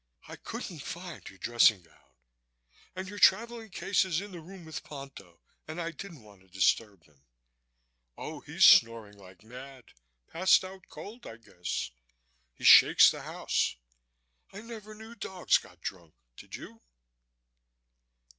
"I couldn't find your dressing gown and your traveling case is in the room with Ponto and I didn't want to disturb him.... Oh he's snoring like mad. Passed out cold, I guess. He shakes the house. I never knew dogs got drunk, did you?"